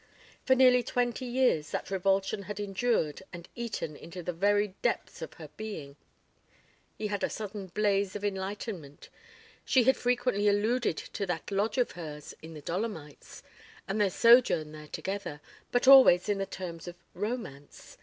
For nearly twenty years that revulsion had endured and eaten into the very depths of her being. ... He had a sudden blaze of enlightenment. She had frequently alluded to that Lodge of hers in the Dolomites and their sojourn there together, but always in the terms of romance.